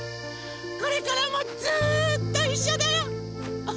これからもずっといっしょだよ！